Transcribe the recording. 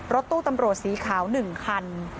รถตู้ตำรวจสีขาว๑คัน